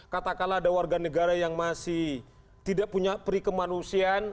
katakanlah ada warga negara yang masih tidak punya prikemanusiaan